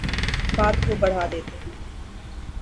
بات کو بڑھا دیتے ہیں